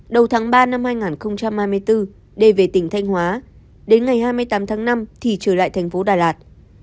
đầu tháng ba năm hai nghìn hai mươi bốn đê về tỉnh thanh hóa đến ngày hai mươi tám tháng năm thì trở lại thành phố đà lạt